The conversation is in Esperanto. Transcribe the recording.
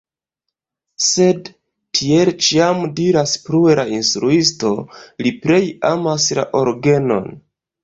Sed, tiel ĉiam diras plue la instruisto, li plej amas la orgenon.